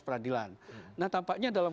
peradilan nah tampaknya dalam